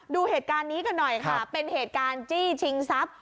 ดูเหตุการณ์นี้กันหน่อยค่ะเป็นเหตุการณ์จี้ชิงทรัพย์